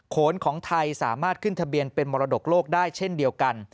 โขนของไทยสามารถขึ้นทะเบียนเป็นมรดกโลกได้เช่นเดียวกัน